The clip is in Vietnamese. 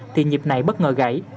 thì nhịp này bất ngờ gãy